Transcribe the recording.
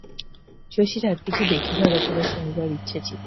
শশীর আর কিছু দেখিবার অথবা শুনিবার ইচ্ছা ছিল না।